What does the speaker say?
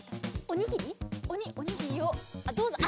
おにおにぎりをどうぞ。